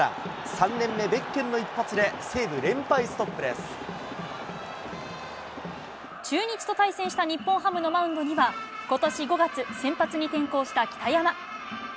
３年目べっけんの一発で、西武、中日と対戦した日本ハムマウンドには、ことし５月、先発に転向した北山。